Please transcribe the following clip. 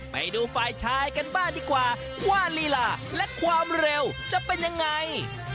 ไปดูฝ่ายชายกันบ้างดีกว่าว่าลีลาและความเร็วจะเป็นยังไง